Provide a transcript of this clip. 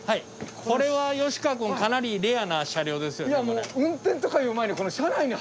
これは吉川君かなりレアな車両ですよねこれ。